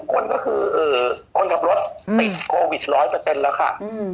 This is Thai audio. ก็คือทุกคนก็คือคนกับรถติดโควิดร้อยเปอร์เซ็นต์แล้วค่ะ